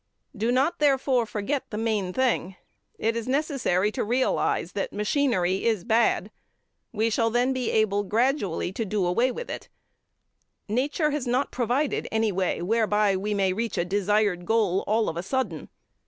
Do not, therefore, forget the main thing. It is necessary to realise that machinery is bad. We shall then be able gradually to do away with it. Nature has not provided any way whereby we may reach a desired goal all of a sudden.